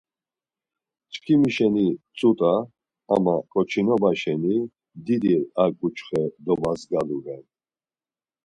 Çkimi şeni tzut̆a, ama ǩoçinoba şeni didi ar ǩuçxe dobadzgalu ren.